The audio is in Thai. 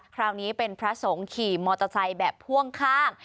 คราวนี้เป็นพระสงฆ์ขี่มอเตอร์ไซค์แบบพ่วงข้าง